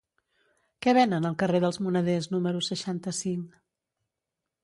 Què venen al carrer dels Moneders número seixanta-cinc?